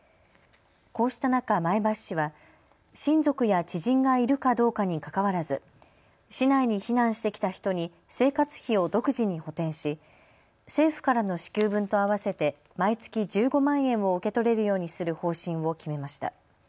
こうした中、前橋市は親族や知人がいるかどうかにかかわらず市内に避難してきた人に生活費を独自に補填し政府からの支給分と合わせて毎月１５万円を受け取れるようにする方針を決めました。